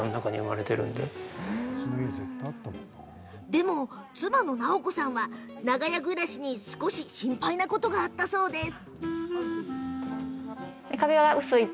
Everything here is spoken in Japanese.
でも妻の奈緒子さんは長屋暮らしに少し心配なことがあったそうです。